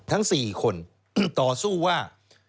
ทั้ง๔คนต่อสู้ว่า